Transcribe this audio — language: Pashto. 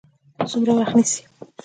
څومره وخت نیسي؟